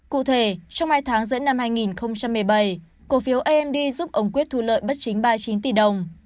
cụ thể trong hai tháng giữa năm hai nghìn một mươi bảy cổ phiếu amd giúp ông quyết thu lợi bất chính ba mươi chín tỷ đồng